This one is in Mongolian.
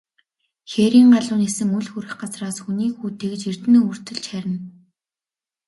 Хээрийн галуу нисэн үл хүрэх газраас, хүний хүү тэгж эрдэнэ өвөртөлж харина.